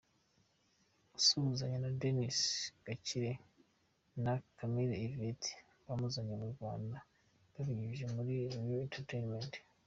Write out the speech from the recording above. Asuhuzanya na Denise Gakire na Camille Yvette bamuzanye mu Rwanda babinyujije muri Royal enteratainment.